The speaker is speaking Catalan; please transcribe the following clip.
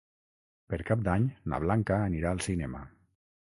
Per Cap d'Any na Blanca anirà al cinema.